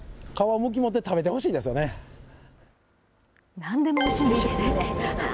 なんでもおいしいんでしょうね。